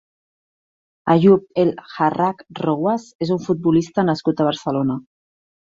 Ayub El Harrak Rouas és un futbolista nascut a Barcelona.